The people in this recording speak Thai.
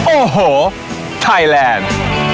โอ้โหไทยแลนด์